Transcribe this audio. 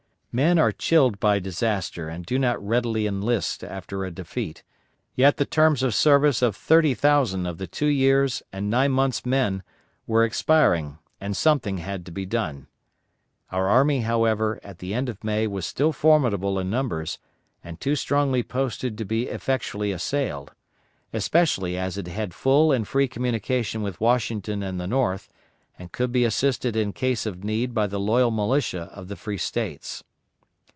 Men are chilled by disaster and do not readily enlist after a defeat; yet the terms of service of thirty thousand of the two years' and nine months' men were expiring, and something had to be done. Our army, however, at the end of May was still formidable in numbers, and too strongly posted to be effectually assailed; especially as it had full and free communication with Washington and the North, and could be assisted in case of need by the loyal militia of the free States.